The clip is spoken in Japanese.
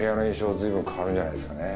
ずいぶん変わるんじゃないですかね。